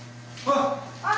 あっ。